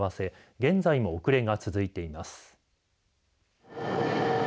現在も遅れが続いています。